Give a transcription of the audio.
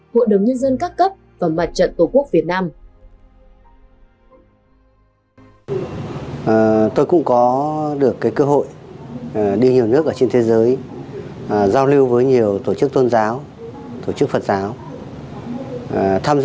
hội đồng nhân dân các cấp và mặt trận tổ quốc việt nam